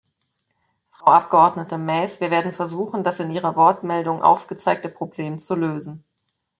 Frau Abgeordnete Maes, wir werden versuchen, das in Ihrer Wortmeldung aufgezeigte Problem zu lösen.